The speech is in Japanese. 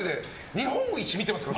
日本一見てますから。